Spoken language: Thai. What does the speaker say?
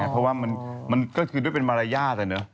เพราะด้วยมะลาย่าได้เนาะ